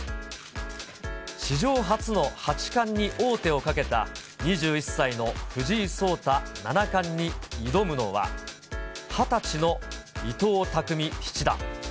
史上初の八冠に王手をかけた２１歳の藤井聡太七冠に挑むのは、２０歳の伊藤匠七段。